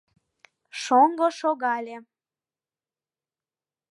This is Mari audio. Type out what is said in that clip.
Шоҥго шогале.